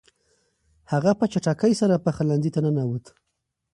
هغه په چټکۍ سره پخلنځي ته ننووت.